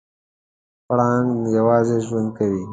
پړانګ یوازې ژوند کوي.